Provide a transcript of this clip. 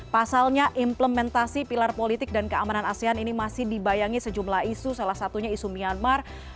pasalnya implementasi pilar politik dan keamanan asean ini masih dibayangi sejumlah isu salah satunya isu myanmar